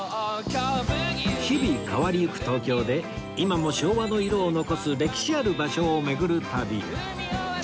日々変わりゆく東京で今も昭和の色を残す歴史ある場所を巡る旅